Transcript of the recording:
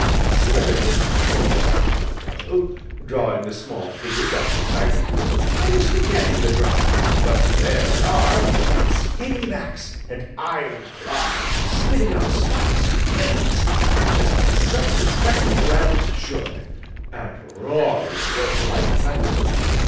"Certainly, my Porges," nodded Bellew, drawing the small figure down beside him, "I was forgetting the dragons, but there they are, with scaly backs, and iron claws, spitting out sparks and flames, just as self respecting dragons should, and roaring away like thunder."